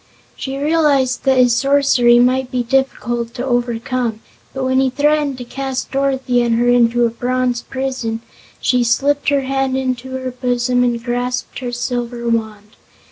She realized that his sorcery might be difficult to overcome, and when he threatened to cast Dorothy and her into a bronze prison she slipped her hand into her bosom and grasped her silver wand.